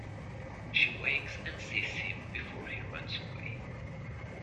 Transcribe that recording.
She wakes and sees him before he runs away.